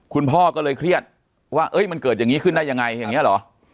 คุณพ่อก็เลยเครียดว่ามันเกิดอย่างนี้ขึ้นได้ยังไงอย่างนี้เหรอ